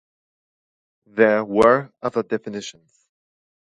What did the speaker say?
There were other definitions.